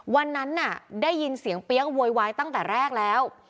วันนั้นน่ะได้ยินเสียงเปี๊ยกโวยวายตั้งแต่แรกแล้ว